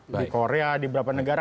di korea di beberapa negara